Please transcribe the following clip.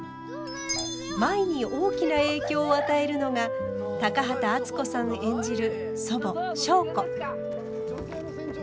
舞に大きな影響を与えるのが高畑淳子さん演じる祖母祥子。